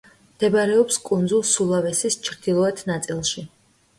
მდებარეობს კუნძულ სულავესის ჩრდილოეთ ნაწილში.